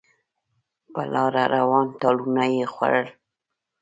په لاره روان ټالونه یې خوړل